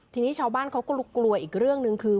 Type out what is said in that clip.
ทีนี้ชาวบ้านเขาก็กลัวอีกเรื่องหนึ่งคือ